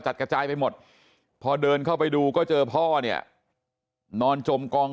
กระจายไปหมดพอเดินเข้าไปดูก็เจอพ่อเนี่ยนอนจมกอง